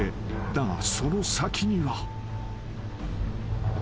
［だがその先には］